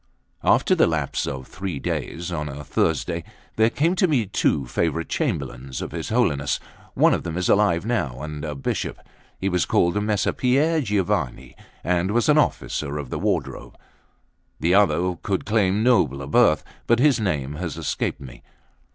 LXI AFTER the lapse of three days, on a Thursday, there came to me two favourite Chamberlains of his Holiness; one of them is alive now, and a bishop; he was called Messer Pier Giovanni, and was an officer of the wardrobe; the other could claim nobler birth, but his name has escaped me.